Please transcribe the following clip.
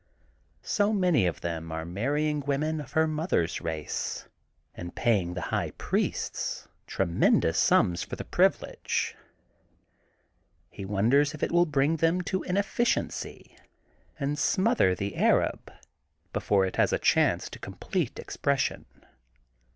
So many of them are marrying women of her mother^s race, and paying the high priests tremendous sums for the privilege. He won 284 THE GOLDEN BOOK OF SPRINGFIELD ders if it will bring them to inefficiency^ and smother the Arab before it has a chance for complete expression.